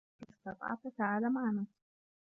إن استطعت ، تعال معنا.